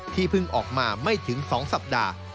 เพิ่งออกมาไม่ถึง๒สัปดาห์